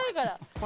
これ。